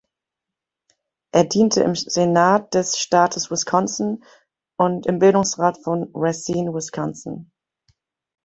Er diente im Senat des Staates Wisconsin und im Bildungsrat von Racine, Wisconsin.